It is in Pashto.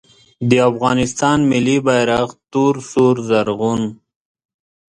د افغانستان ملي بیرغ تور سور زرغون